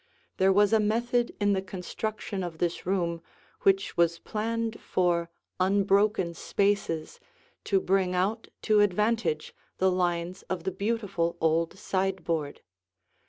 There was a method in the construction of this room which was planned for unbroken spaces to bring out to advantage the lines of the beautiful old sideboard.